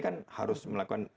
jadi harus melakukan